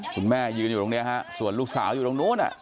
คุณแม่ยืนอยู่ตรงนี้ฮะส่วนลูกสาวอยู่ตรงนู้น